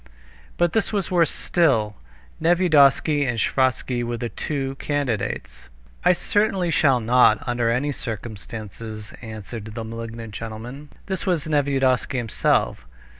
But this was worse still. Nevyedovsky and Sviazhsky were the two candidates. "I certainly shall not, under any circumstances," answered the malignant gentleman. This was Nevyedovsky himself.